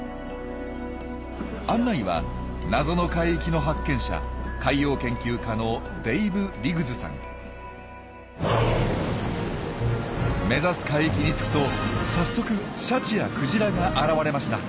案内は「謎の海域」の発見者目指す海域に着くと早速シャチやクジラが現れました。